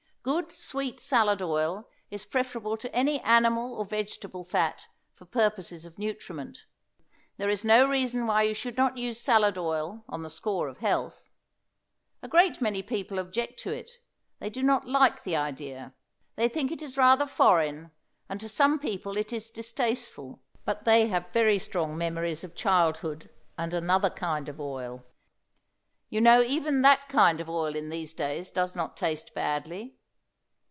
Good sweet salad oil is preferable to any animal or vegetable fat for purposes of nutriment. There is no reason why you should not use salad oil on the score of health. A great many people object to it; they do not like the idea; they think it is rather foreign, and to some people it is distasteful, but they have very strong memories of childhood and another kind of oil. You know even that kind of oil in these days does not taste badly.